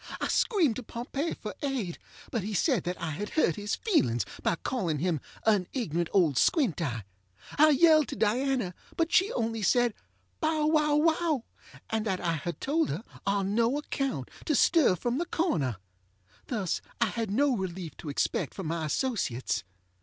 I screamed to Pompey for aid; but he said that I had hurt his feelings by calling him ŌĆ£an ignorant old squint eye. ŌĆØ I yelled to Diana; but she only said ŌĆ£bow wow wow, ŌĆØ and that I had told her ŌĆ£on no account to stir from the corner. ŌĆØ Thus I had no relief to expect from my associates.